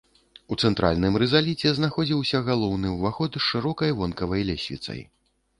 У цэнтральным рызаліце знаходзіўся галоўны ўваход з шырокай вонкавай лесвіцай.